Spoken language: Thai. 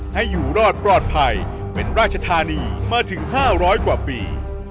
ให้อยู่รอดปลอดภัยเป็นราชธานีมาถึง๕๐๐กว่าปี